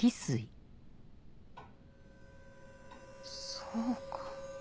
そうか。